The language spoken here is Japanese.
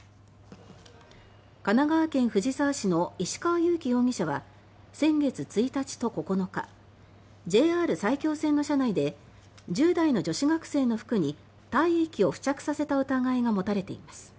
神奈川県藤沢市の石川雄幾容疑者は先月１日と９日ＪＲ埼京線の車内で１０代の女子学生の服に体液を付着させた疑いが持たれています。